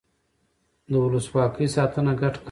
د ولسواکۍ ساتنه ګډ کار دی